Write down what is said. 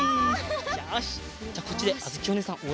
よしじゃあこっちであづきおねえさんおうえんしよう。